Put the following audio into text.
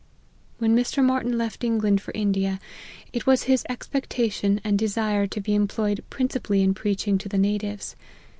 When Mr. Martyn left England for India, it was his expectation and desire to be employed princi* pally in preaching to the natives.